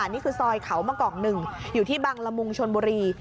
นี่คือซอยเขามะกอง๑อยู่ที่บังละมุงชนบุรี